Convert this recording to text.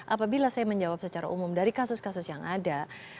apabila saya menjawab secara umum dari kasus kasus yang ada